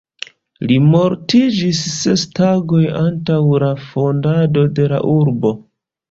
Li mortiĝis ses tagoj antaŭ la fondado de la urbo.